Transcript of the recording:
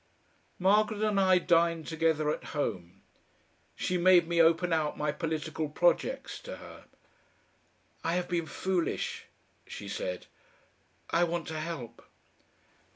Margaret and I dined together at home. She made me open out my political projects to her. "I have been foolish," she said. "I want to help."